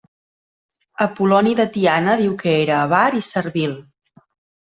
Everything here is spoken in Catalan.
Apol·loni de Tiana diu que era avar i servil.